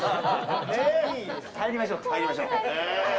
入りましょう。